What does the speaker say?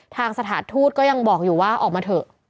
สถานทูตก็ยังบอกอยู่ว่าออกมาเถอะ